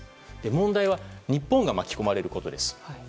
問題は日本が巻き込まれることです。